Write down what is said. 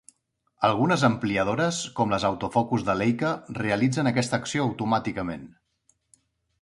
Algunes ampliadores, com les Autofocus de Leica, realitzen aquesta acció automàticament.